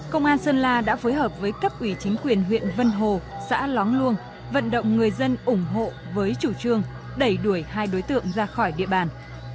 công an sơn la đã phối hợp với cấp ủy chính quyền huyện vân hồ xã lóng luông vận động người dân ủng hộ với chủ trương đẩy đuổi hai đối tượng ra khỏi địa bàn